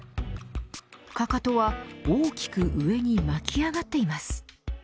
かかとは大きく上に巻き上がっています。